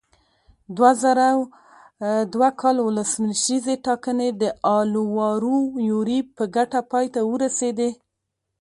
دوه زره دوه کال ولسمشریزې ټاکنې د الوارو یوریب په ګټه پای ته ورسېدې.